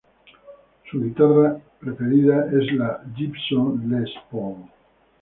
Su guitarra preferida es la Gibson Les Paul.